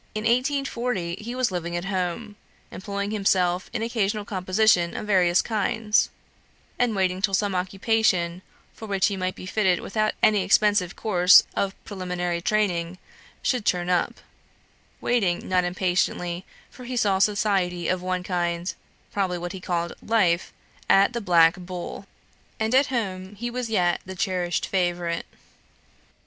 In 1840, he was living at home, employing himself in occasional composition of various kinds, and waiting till some occupation, for which he might be fitted without any expensive course of preliminary training, should turn up; waiting, not impatiently; for he saw society of one kind (probably what he called "life") at the Black Bull; and at home he was as yet the cherished favourite.